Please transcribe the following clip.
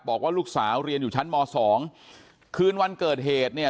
บอกว่าลูกสาวเรียนอยู่ชั้นมสองคืนวันเกิดเหตุเนี่ย